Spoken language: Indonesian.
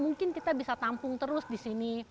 mungkin kita bisa tampung terus di sini